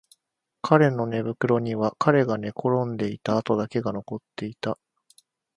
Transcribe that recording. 彼の寝袋には彼が寝転んでいた跡だけが残っていた